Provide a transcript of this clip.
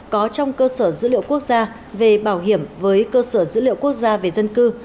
có trong cơ sở dữ liệu quốc gia về bảo hiểm với cơ sở dữ liệu quốc gia về dân cư